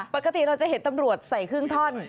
ปกติเราจะเห็นตำรวจใส่ครึ่งท่อน